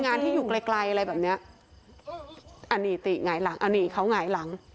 อันนี้ตีหงายหลังอันนี้เขาหงายหลัง